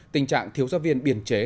tình trạng thiếu giáo viên biên chế